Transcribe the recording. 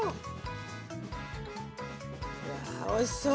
うわおいしそう。